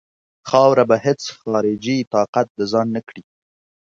خاوره به هیڅ خارجي طاقت د ځان نه کړي.